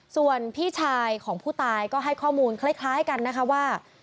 ส่วนพี่ชายของผู้ตายก็ให้ข้อมูลคล้ายกันนะคะว่า